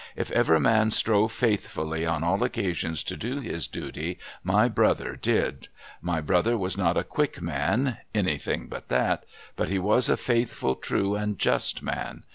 ' If ever man strove faithfully on all occasions to do his duty, my brother did. My broUier was not a quick man (anything but that), but he was a fauhful, true, and just man.